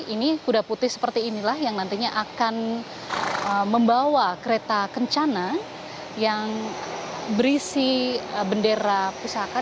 ini kuda putih seperti inilah yang nantinya akan membawa kereta kencana yang berisi bendera pusaka